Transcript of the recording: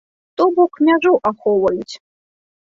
То бок, мяжу ахоўваюць.